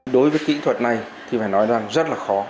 đối với kỹ thuật này thì phải nói rằng rất là khó